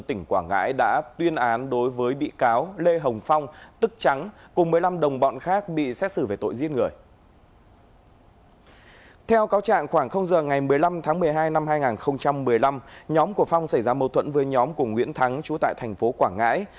theo cáo trạng khoảng giờ ngày một mươi năm tháng một mươi hai năm hai nghìn một mươi năm nhóm của phong xảy ra mâu thuẫn với nhóm của nguyễn thắng trú tại thành phố quảng ngãi